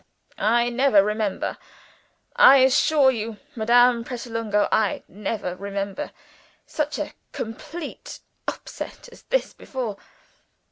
I never remember I assure you, Madame Pratolungo, I never remember such a complete upset as this before.